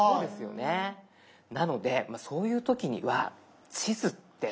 なのでそういう時には地図って。